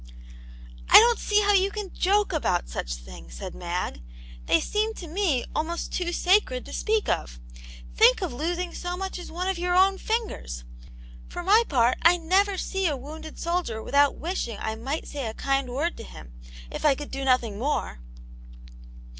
" I don't see how you can joke about such things," said Mag. " They seem to me almost too sacred to speak of. Think of losing so much as one of your own fingers ! For my part, I never see a wounded soldier without wishing I might say a kind word to him, if I could do nothing more."